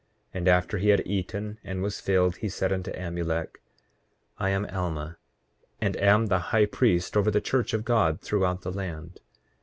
8:23 And after he had eaten and was filled he said unto Amulek: I am Alma, and am the high priest over the church of God throughout the land.